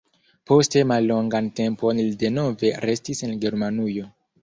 Poste mallongan tempon li denove restis en Germanujo.